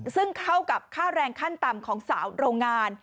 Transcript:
ซึ่งเข้ากับค่าแรงขั้นต่ำของสาวโรงงาน